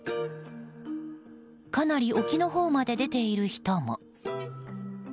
かなり沖のほうまで出ている人も。